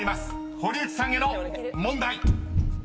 堀内さんへの問題］